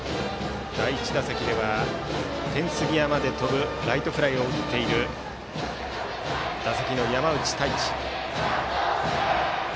第１打席ではフェンス際まで飛ぶライトフライを打っている打席の山内太暉。